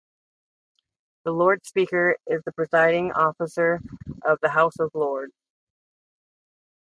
The Lord Speaker is the presiding officer of the House of Lords.